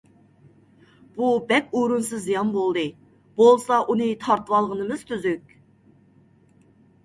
بۇ بەك ئورۇنسىز زىيان بولدى. بولسا، ئۇنى تارتىۋالغىنىمىز تۈزۈك،